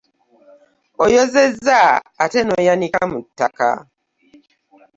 Oyozezza ate n'oyanika mu ttaka!